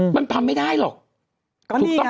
มันทำไม่ได้หรอก